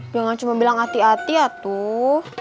jangan cuma bilang hati hati ya tuh